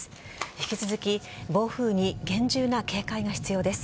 引き続き暴風に厳重な警戒が必要です。